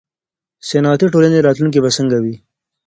صنعتي ټولنې راتلونکی به څنګه وي.